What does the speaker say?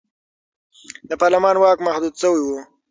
د پارلمان واک محدود شوی و.